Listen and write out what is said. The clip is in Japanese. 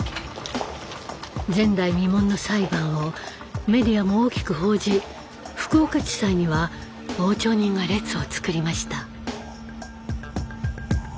前代未聞の裁判をメディアも大きく報じ福岡地裁には傍聴人が列を作りました。